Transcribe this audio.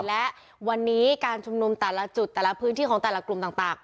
และวันนี้การชุมนุมแต่ละจุดแต่ละพื้นที่ของแต่ละกลุ่มต่าง